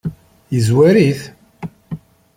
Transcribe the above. Yezwar-it?